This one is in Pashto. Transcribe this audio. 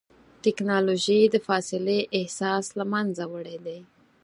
ټکنالوجي د فاصلې احساس له منځه وړی دی.